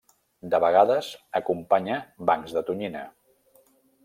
De vegades acompanya bancs de tonyina.